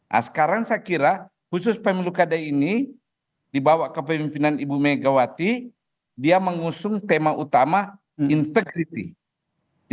nah sekarang saya kira khusus pemilu kader ini dibawah kepemimpinan ibu megawati dia mengusung tema utama integritas